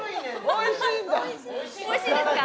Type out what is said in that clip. おいしいですか？